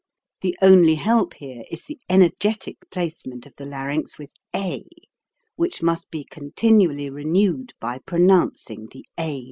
The only help here is the energetic placement of the larynx with a, which must be continually re newed by pronouncing the a vowel.